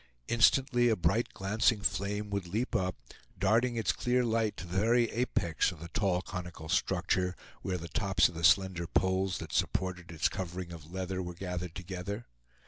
Instantly a bright glancing flame would leap up, darting its clear light to the very apex of the tall conical structure, where the tops of the slender poles that supported its covering of leather were gathered together.